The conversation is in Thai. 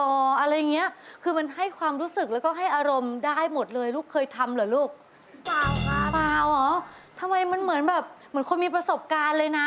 อะไรอย่างเงี้ยคือมันให้ความรู้สึกแล้วก็ให้อารมณ์ได้หมดเลยลูกเคยทำเหรอลูกเปล่าค่ะเปล่าเหรอทำไมมันเหมือนแบบเหมือนคนมีประสบการณ์เลยนะ